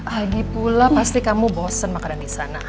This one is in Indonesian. lagi pula pasti kamu bosen makanan di sana